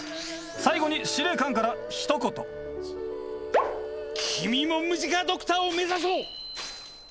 最後に司令官からひと言君もムジカドクターを目指そう！